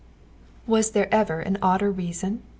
Was there ever an odder reason?